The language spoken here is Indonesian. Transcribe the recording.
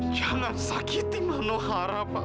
jangan sakiti manuhara pak